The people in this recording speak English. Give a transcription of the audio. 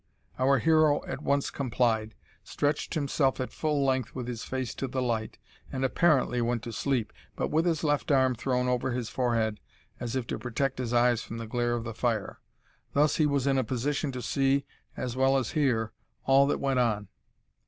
Our hero at once complied, stretched himself at full length with his face to the light, and apparently went to sleep, but with his left arm thrown over his forehead as if to protect his eyes from the glare of the fire. Thus he was in a position to see as well as hear all that went on.